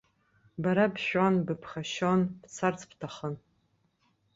Бара бшәон, быԥхашьон, бцарц бҭахын.